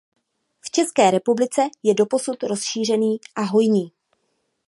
V České republice je doposud rozšířený a hojný.